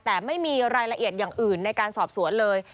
แต่ไม่มีรายละเอียดอย่างอื่นในการสอบสวนเลย